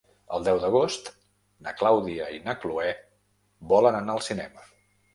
El deu d'agost na Clàudia i na Cloè volen anar al cinema.